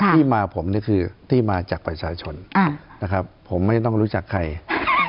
ที่มาผมนี่คือที่มาจากประชาชนอ่านะครับผมไม่ต้องรู้จักใคร